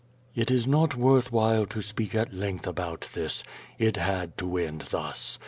It is not worth while to speak at length about this. It had to end thus.